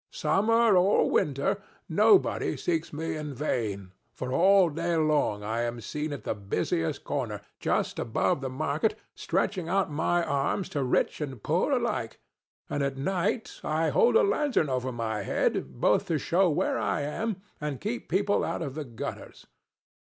Summer or winter, nobody seeks me in vain, for all day long I am seen at the busiest corner, just above the market, stretching out my arms to rich and poor alike, and at night I hold a lantern over my head both to show where I am and keep people out of the gutters.